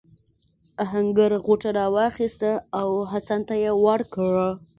آهنګر غوټه راواخیسته او حسن ته یې ورکړه.